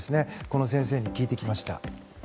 この先生に聞いてきました。